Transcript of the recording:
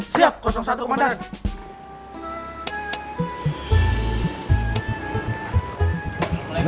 siap satu komandan